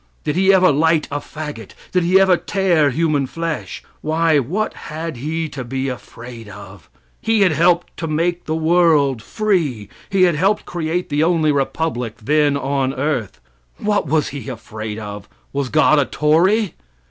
"Did he ever light a fagot? Did he ever tear human flesh? Why, what had he to be afraid of? He had helped to make the world free. He had helped create the only republic then on the earth. What was he afraid of? Was God a tory?